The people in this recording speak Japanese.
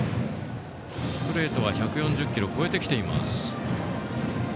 ストレートは１４０キロを超えてきています。